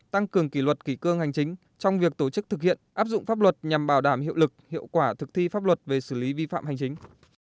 tăng cường kỷ luật kỷ cương hành chính trong việc tổ chức thực hiện áp dụng pháp luật nhằm bảo đảm hiệu lực hiệu quả thực thi pháp luật về xử lý vi phạm hành chính